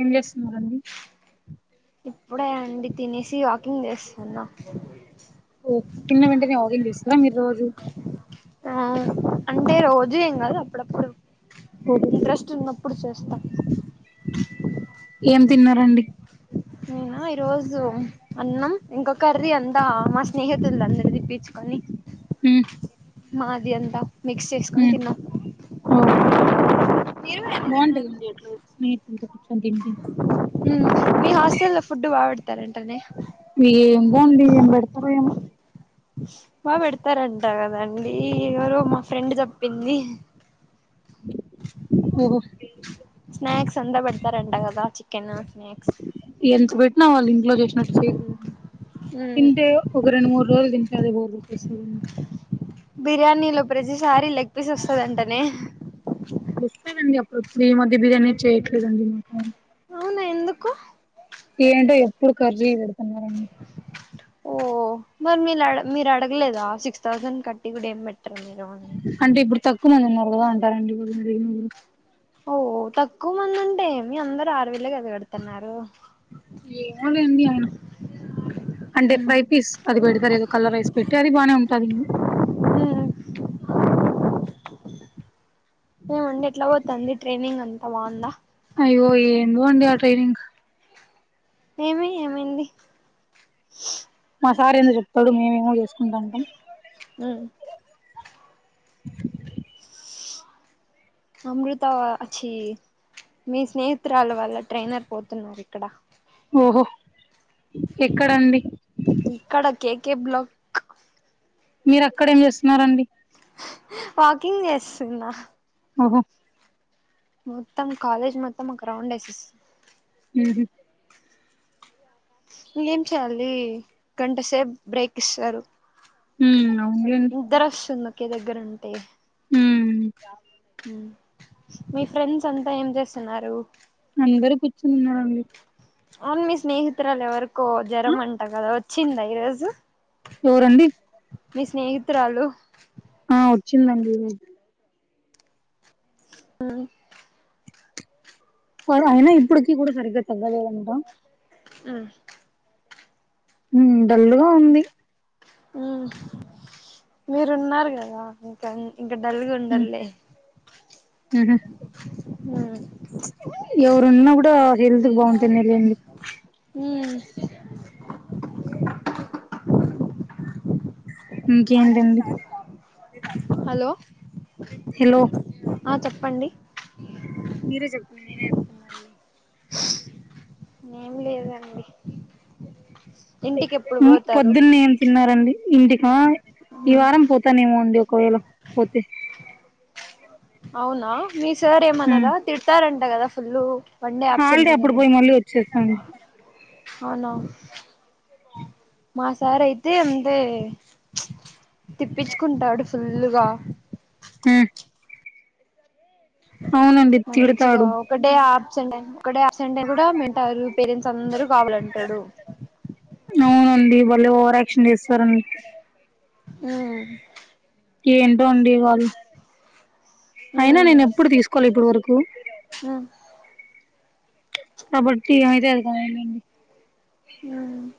ఏం చేస్తున్నా అండి ఇప్పుడే అండి తినేసి వాకింగ్ చేస్తున్నా ఓ తిన్న వెంటనే ఆకింగ్ చేస్తారా మీరు రోజూ అవును అంటే రోజు ఏం కాదు అప్పుడప్పుడు ఇంట్రస్ట్ ఉన్నప్పుడు చేస్తా ఏం తిన్నారండి నేనా ఈ రోజు అన్నం ఇంకా కర్రీ అంత తా మా స్నేహితులుది అందరిదీ ఇప్పిచ్చుకొని ఉమ్ మాది అంతా మిక్స్ చేసుకొని ఉమ్ తిన్నా [inaudible] మీరు కూడా ఎన్ని తిన్నా టుంది ఎట్లో స్నేహితులతో కూర్చొని తింటి ఊ మీ హాస్టల్ లో ఫుడ్ బా బెడతారంటనే ఏందో అండి ఏం పెడతారో ఏమో బా పెడతారంట కదండి ఎవరో మా ఫ్రెండ్ చెప్పింది [unintelligible] స్నాక్స్ అంతా పెడతారంట కదా చికెను స్నాక్స్ ఎంత పెట్టినా వాళ్ళు ఇంట్లో చేసినట్టు చేయరు దండి తింటే ఒక రెండు మూడు రోజులు తింటే అదే బోర్ [inaudible] బిర్యానీలో ప్రతిసారీ లెగ్ పీస్ వస్తాదంటనే వస్తాదండి అప్పుడప్పుడు ఈ మధ్యలో బిర్యానీ చేయట్లేదండి [inaudible] అవునా ఎందుకు ఏంటో ఎప్పుడూ కర్రీ పెడుతున్నారన్ ఓ మరి మీలు అడ మీరు అడగలేదా సిక్స్ థౌసండ్ కట్టి కూడా ఏం పెట్ అంటే ఇప్పుడు తక్కువ మంది ఉన్నారు కదా అంటారండి [inaudible] ఓ తక్కువ మంది అంటే ఏమి అందరూ ఆరువేలే గదా గడుతన్నారు ఏమోలేండి ఐనా అంటే ఫ్రై ఉమ్ పీస్ అది పెడతారు ఏదో కలర్ రైస్ పెట్టి అది బానే ఉంటాది [inaudible] ఊ ఏమండి ఎట్లా పోతాంది ట్రైనింగ్ అంతా బావుందా అయ్యో ఏందో అండి ఆ ట్రైనింగ్ ఏమి ఏమైంది మా సార్ ఏందో చెప్తాడు మేమేమో చేసుకుంటా ఉంటాం ఊ అమృత వా ఛీ మీ స్నేహితురాలు వాళ్ళ ట్రైనర్ పోతున్నారు ఇక్కడ ఓహో ఎక్కడండి ఇక్కడ కే కే బ్లా మీరు అక్కడ ఏం చేస్తున్నారండి వాకింగ్ చేస్తున్నా ఓహో మొత్తం కాలేజ్ మొత్తం ఒక రౌండ్ ఏసొస్ ఊహూ ఏం చేయాలి గంటసేపు బ్రేక్ ఇస్తారు ఊ అవునులేం నిద్దరొస్తుంది ఒకే దగ్గరుంటే మ్ మ్ మీ ఫ్రెండ్స్ అంతా ఏం చేస్తున్నారు అందరు కూర్చునిఉన్నామండి అవును మీ స్నేహితురాలు ఎవరికో ఆ జ్వరం అంట కదా వచ్చిందా ఈరోజు ఎవరండీ మీ స్నేహితురాలు ఆ వచ్చిందండి వాడు అయినా ఇప్పటికీ కూడా సరిగ్గా చదవలేదంట ఉమ్ ఉ డల్లుగా ఉంది హుమ్ మీరు ఉన్నారు కదా ఇంక ఇంకా డల్ గ ఉమ్ ఉండరులే ఉహు ఎవరున్నా కూడా హెల్త్ బావుంటే నే గా అండి ఉమ్ ఇంకేంటండి హలో హలో ఆ చెప్పండి మీరే చెప్పండి నేనె చెప్తున్నా అన్నీ ఏం లేదండి ఇంటికి ఎప్పుడు ఉమ్ పోతారు పొద్దున్నే ఏం తిన్నారండి ఇంటికా ఈ వారం పోతానేేమో అండి ఒకవేళ పోతే అవునా మీ సార్ ఏమనరా తిడతారంట గదా ఫుల్లు హాలిడే అప్పుడు బోయి మళ్ళీ వచ్చేస్తాండి అవునా మా సార్ అయితే అంతే తిప్పించుకుంటాడు ఫుల్లు గా ఉమ్ మంచిగా తిడతాడు ఒకడే అబ్సెంట్ ఐనా ఒకే డే అబ్సెంట్ ఐన గూడా మెంటేరు పేరెంట్స్ అందరూ కావాలంటాడు అవునండి బలే ఓవరాక్షన్ జేస్తారండి ఉమ్ ఏంటో అండి వాళ్ళు అయినా ఉమ్ నేను ఎప్పుడు తీసుకోలే ఇప్పటి వరకు ఉమ్ కాబట్టి ఏం అయితే అదిగానియండి ఉమ్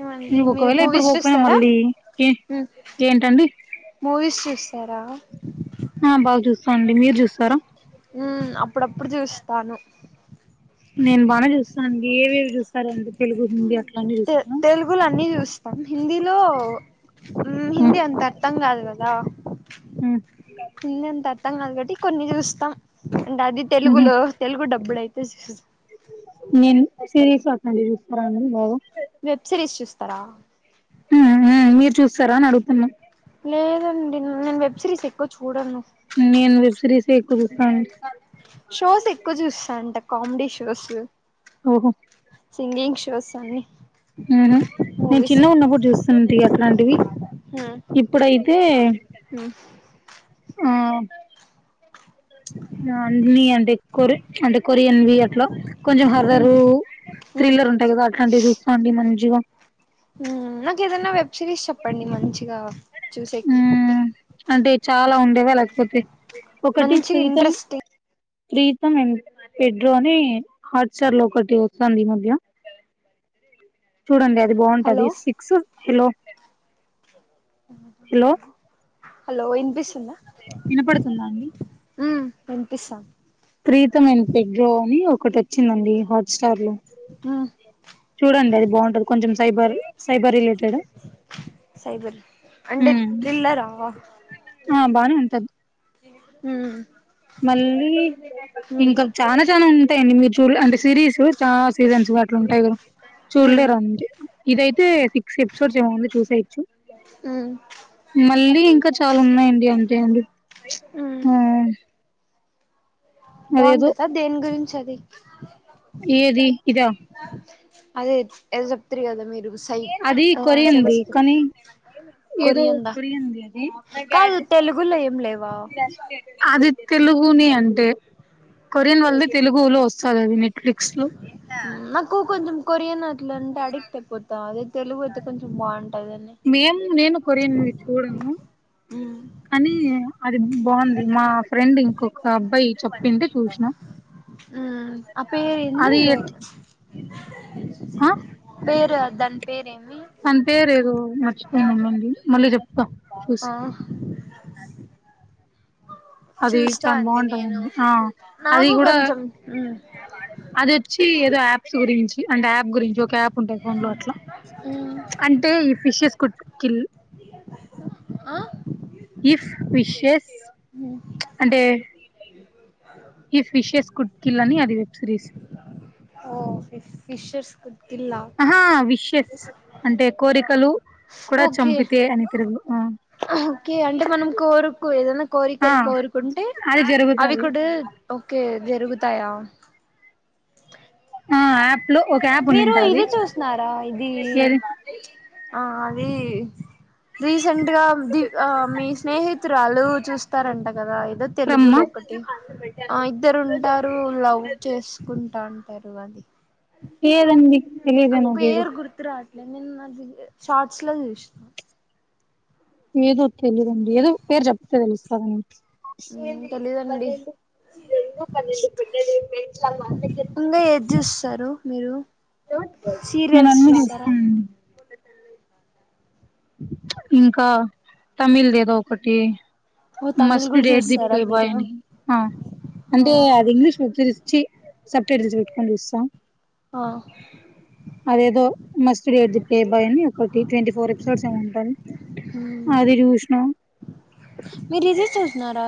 ఏమండి నేను మీరు ఒకవేళ ఇప్పుడు మూవీస్ పోకపోయినా చూస్తారా మళ్ళీ ఏ ఏంటండి మూవీస్ చూస్తారా ఆ బాగ జూస్తా అండి మీరు జూస్తారా ఉమ్ అప్పుడప్పుడు జూస్తాను నేను బానే చూస్తా అండి ఏవేవి జూస్తారు అంటే తెలుగు హిందీ అట్లా అన్ని తె జూస్తారా తెలుగులో అన్ని జూస్తాం హిందీలో హ్మ్ హిందీ అంత అర్థం గాదు గదా హ్మ్ హిందీ అంత అర్థం గాదు గాబట్టి కొన్ని జూస్తాం ఇంగ అది ఊహూ తెలుగులో తెలుగు డబ్బ్ డైతే నేన్ సిరీస్ అట్లఅండి జూస్తారండి బాగా వెబ్ సిరీస్ చూస్తారా హ్మ్ హు మీరు చూస్తారా అని అడుగుతున్నా లేదండి నేను వెబ్ సిరీస్ ఎక్కువ చూడను నేను వెబ్ సిరీసే ఎక్కువ జూస్తా అండి షోస్ ఎక్కువ జూస్తా అంట కామెడీ షోసు ఓహో సింగింగ్ షోస్ అన్నీ హుహూ నేను చిన్న ఉన్నప్పుడు జూస్తుంటి అట్లాంటివి ఇప్పుడైతే ఆ [inaudible] అన్ని అంటే కొరి అంటే కొరియన్వి అట్లా కొంచెం హర్రరు థ్రిల్లర్ ఉంటయి గదా అట్లాంటివి జూస్త అండి మంచిగా హ్మ్ నాకు ఏదైనా వెబ్ సిరీస్ చెప్పండి మంచిగా చూసేకి హ్మ్ అంటే చాలా ఉండేవా లేకపోతే ఒకటి మంచి Pritam interesting Pritam and Pedro అని హాట్ స్టార్ లో ఒకటి వస్తాంది ఈ మధ్య చూడండి అది బాగుంటది hello six hello hello hello ఇని పిస్తుందా వినపడుతుందా అండి హ్మ్ వినిపిస్తాంది ప్రీతం అండ్ పెడ్రో అని ఒకటి వచ్చిందండి హాట్స్టార్ లో హ్మ్ చూడండి అది బావుంటది కొంచెం సైబర్ సైబర్ రిలేటెడ్ అంటే ఉమ్ ఇలా రా ఆ బానే ఉంటది హ్మ్ మళ్ళీ ఇంకా చానా చానా ఉంటాయండి మీరు చూడల అంటే సిరీస్ చాలా సీజన్స్ అట్ల ఉంటాయి చూడలేరు అండి ఇదయితే సిక్స్ ఎపిసోడ్స్ ఏమో ఉంది చూసేయచ్చు హ్మ్ మళ్ళీ ఇంకా చాలా ఉన్నాయండి అంతే అండి ఆ అదేదో బాగుంటదా దేని గురించి అది ఏది ఇదా అదే ఏదో చెప్తారు కదా మీరు సై అది ఆ కొరియన్ సైబర్ ది సెక్యూరిటీ కానీ ఏదో కొరియందా కొరియన్ ది అది కాదు తెలుగులో ఏం లేవా అది తెలుగుని అంటే కొరియన్ వాళ్ళది తెలుగులో వస్తాది అది నెట్ ఫ్లిక్లో లో నాకు కొంచెం కొరియన్ అట్ల అంటే అడిక్ట్ అయిపోతాం అదే తెలుగు అయితే కొంచెం బాగుంట మేము నేను కొరియానుది చూడను అని అది బావుంది మా ఫ్రెండ్ ఇంకొక అబ్బాయి చెప్పింటే చూసిన హ్మ్ ఆ పేరు ఏంది అది ఆ పేరా దాని పేరేమి తను పేరు ఏదో మర్చిపోయానండి మళ్ళీ చెప్తా ఆ చూసి అది చూస్తా చాలా అండి నేను బాగుంటదండి ఆ అది నాకు కూడా కొంచెం హ్మ్ అది వచ్చి ఏదో యాప్స్ గురించి అండ్ యాప్ గురించి ఒక ఆప్ ఉంటాయి ఫోన్ లో అట్లా మ్మ్ అంటే ఈ ఫిషెస్ కుట్ కిల్ ఆ ఇఫ్ విషెస్ ఊ అంటే [unintelligible] ఈ ఫిషెస్ కుడ్కిల్ అని అది వెబ్ సిరీస్ ఓ ఇఫ్ ఫిషర్స్ గుటిలా ఆహా హా విషస్ అంటే కోరికలు కూడా ఓకే చంపితే అని తెలుగు లో ఓకే అంటే మనం కోరుకు ఏదైనా ఆ కోరికలు కోరుకుంటే అది అవి జరుగుతది కూడా ఓకే జరుగుతాయా ఆ యాప్ లో ఒక యాప్ మీరు ఉన్నింటాది ఇది చూసిన్నారా ఇది ఏది ఆ అది రీసెంట్ గా ది ఆ మీ స్నేహితురాలు చూస్తారంట కదా ఏదో తెలుగు బ్రహ్మ లో ఒకటి ఆ ఇద్దరు ఉంటారు లవ్ చేసుకుంటాంటారు అది ఏదండి తెలియను నువ్వు ఏదో రాట్లేదు నేను అది షార్ట్స్ లో చూసిన ఏదో తెలీయదండి ఏదో పేరు చెప్తే తెలుస్తాది తెలీదండి పన్నెండు రెండు పన్నెండు బడ్లు మెట్లా మ [unintelligible] ఇంకా ఏది చూస్తారు మీరు నేను సీరియల్స్ అన్ని చూస్తారా చూస్తానండి ఇంకా తమిళ్ ది ఏదో ఒకటి ఓ తమిళ్ మస్ట్ కూడా డేట్ ది చూస్తారా ప్లే బాయ్ మీరు అని ఆ ఆ అంటే అది ఇంగ్లీష్ గురించి చి సబ్ టైటిల్స్ పెట్టుకొని చూస్తా ఆ అదేదో must date the playboy అని ఒకటి ట్వంటీ ఫోర్ ఎపిసోడ్స్ ఏమో ఉంటాయి అది చూసినా మీ ఇది చూసిన్నారా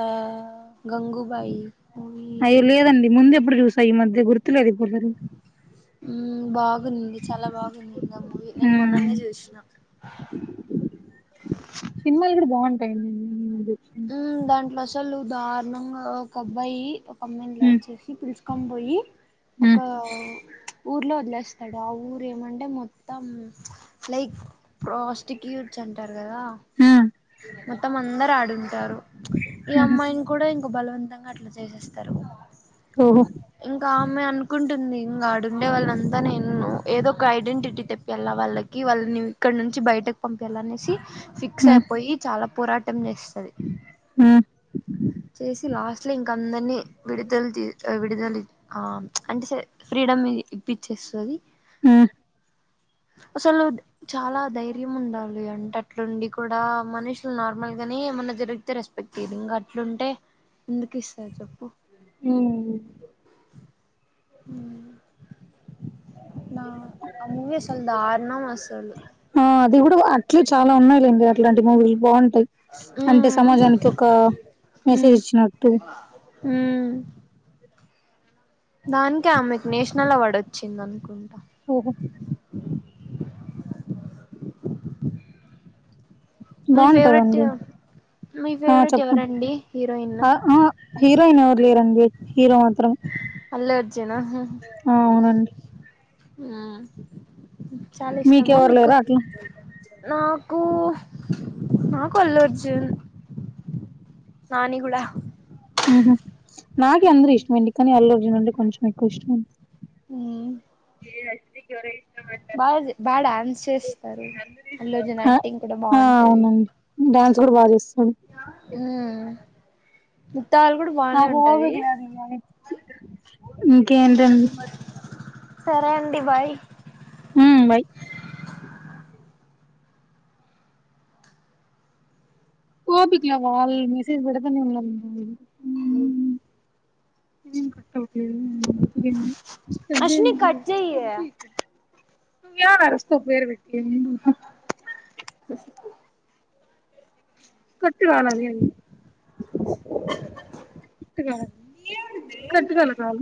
గంగూబాయి మూవీ అయ్యో లేదండి ముందు ఎప్పుడు చూసా ఈ మధ్య గుర్తులేదు ఎపుడు చులే బాగుంది చాలా బాగుంది ఆ మూవీ నేను మొన్ననే చూసినా సినిమాలు కూడా బాగుంటాయి ముందు వచ్చి ఉ దాంట్లో అసలు దారుణంగా ఒక అబ్బాయి ఒక అమ్మాయిని లవ్ చేసి పిలుచుకొని పోయి ఒక ప్చ్ ఊర్లో వదిలేస్తాడు ఆ ఊరు ఏమంటే మొత్తం లైక్ ప్రాస్టిక్యూట్స్ అంటారు కదా ఉ మొత్తం అందరు ఆడుంటారు ప్చ్ ఈ అమ్మాయిని కూడా ఇంకా బలవంతంగా అట్లా చేసేస్తారు ఓహో ఇంకా ఆ అమ్మాయి అనుకుంటుంది ఇంకా ఆడుండే వాళ్ళ అంతా నేను ఏదో ఒక ఐడెంటిటీ తెప్పేళ్లా వాళ్ళకి కి వాళ్ళని ఇక్కడ నుంచి బయటకు పంపాలినేసి ఫిక్స్ అయిపోయి చాలా పోరాటం చేస్తుంది చేసి లాస్ట్ లో ఇంక అందరినీ విడుదల తీ విడుదల ఆ ప్చ్ అంటే సర్ ఫ్రీడమ్ ఇప్పించేస్తది ఆ అసలు దే చాలా ధైర్యం ఉండాలి అంటే అట్లుండి కూడా మనుషులు నార్మల్ గానే ఏమన్నా జరిగితే రెస్ ఇంగ్ అట్లుంటే ఎందుకు ఇస్తారు చెప్పు ఉ [inaudible] ఆ మూవీ అసల్ దారుణం అసలు ఆ అది కూడా అట్లే చాలా ఉన్నాయిలేండి అట్లాంటి మూవీలు బాగుంటాయి అంటే ఉమ్ సమాజానికి ఒక మెసేజ్ ఇచ్చినట్టు హ దానికే ఆమెకు నేషనల్ అవార్డు వచ్చింద అనుకుంటా ఉహు మీ ఫేవరెట్ బాగుంటదండి మీ ఆ ఫేవరెట్ చెప్పండి ఎవరండి హీరోయిన్ ఆ ఆ హీరోయిన్ ఎవర్లేరండి హీరో మాత్రం అల్లు అర్జునా ఆ అవునండి ఆ మీకెవరు లేరా అట్లు నాకు నాకు అల్లు అర్జునే నాని కూడా ఆహ నాకే అందరు ఇష్టమండి కానీ అల్లు అర్జునంటే కొంచెం ఎక్కువ ఇష్టమండి అ ఏ అయితే బాగా బాగా డాన్స్ చేస్తారు అల్లు అర్జున్ యాక్టింగ్ కూడా బాగుంటది డ్యాన్స్ కూడా బాగా చేస్తాడు ఉ మిగ్తా వాళ్ళు కూడా బానే నాకు ఉంటది ఓపిక లేదు ఇంకేంటండి సరే అండి బాయ్ బాయ్ ఓపికలా వాల్ మెసేజ్ నేన్ బడద అశ్విని కట్ చెయ్యే [unintelligible] యాలరుస్తావ్ పేరు పెట్టి కట్ గాల అది కట్ కల కట్ కాల